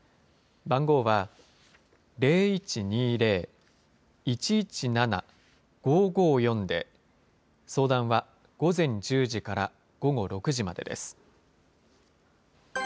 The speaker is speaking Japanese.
番号は、０１２０ー１１７ー５５４で、相談は午前１０時から午後６時までです。